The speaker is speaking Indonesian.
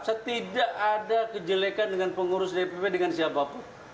saya tidak ada kejelekan dengan pengurus dpp dengan siapapun